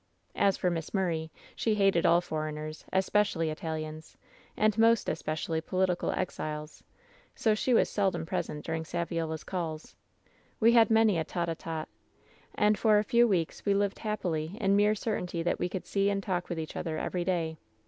"As for Miss Murray, she hated all foreigners, espe* 162 WHEN SHADOWS DIE cially Italians, and most especially political exiles, sn she was seldom present during Saviola's calls. We liad many a tete a tete. And for a few weeks we lived hap pily in mere certainty that we could see and talk with each other every day.